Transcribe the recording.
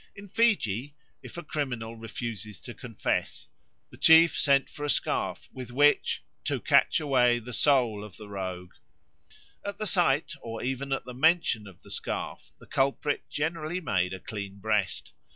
In Fiji, if a criminal refused to confess, the chief sent for a scarf with which "to catch away the soul of the rogue." At the sight or even at the mention of the scarf the culprit generally made a clean breast.